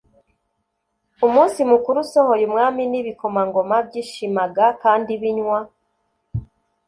Umunsi mukuru usohoye umwami n'ibikomangoma byishimaga kandi binywa,